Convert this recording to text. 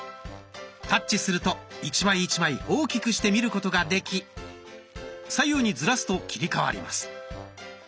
タッチすると１枚１枚大きくして見ることができ左右にずらすと切り替わります。